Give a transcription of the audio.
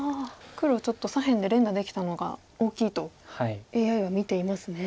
黒ちょっと左辺で連打できたのが大きいとＡＩは見ていますね。